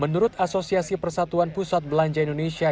menurut asosiasi persatuan pusat belanja indonesia